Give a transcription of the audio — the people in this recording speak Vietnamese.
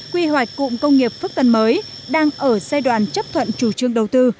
quy hoạch cụm công nghiệp phước tân mới đang ở giai đoạn chấp thuận chủ trương đầu tư